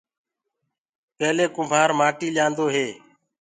پيلي ڪُنڀآ ڪآٽيٚ ليآندو هي۔